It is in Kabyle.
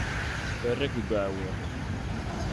Terra-k deg uɛewwiq.